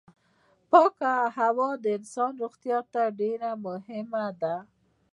پاکه هوا د انسان روغتيا ته ډېره مهمه ده.